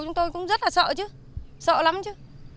chúng tôi cũng rất là sợ chứ sợ lắm chứ